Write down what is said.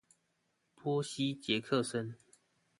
波西傑克森